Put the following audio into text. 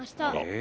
え。